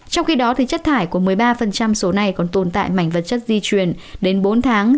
trong khi đó chất thải của một mươi ba số này còn tồn tại mảnh vật chất di truyền đến bốn tháng